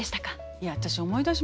いや私思い出しました。